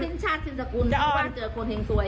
สิ้นชาติสิ้นสกุลบ้านเจอคนแห่งซวย